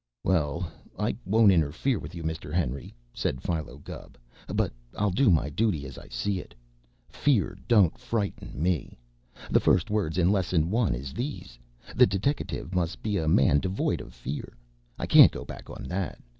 "Well, I won't interfere with you, Mr. Henry," said Philo Gubb. "But I'll do my dooty as I see it. Fear don't frighten me. The first words in Lesson One is these: 'The deteckative must be a man devoid of fear.' I can't go back on that.